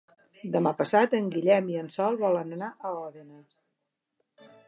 Demà passat en Guillem i en Sol volen anar a Òdena.